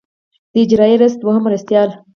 د اجرائیه رییس دوهم مرستیال.